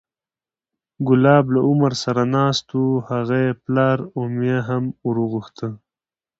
کلاب له عمر سره ناست و هغه یې پلار امیة هم وورغوښت،